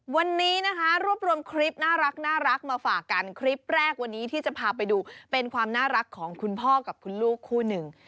วันนี้นะคะรวบรวมคลิปน่ารักมาฝากกันคลิปแรกวันนี้ที่จะพาไปดูเป็นความน่ารักของคุณพ่อกับคุณลูกคู่หนึ่ง